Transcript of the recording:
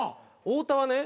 太田はね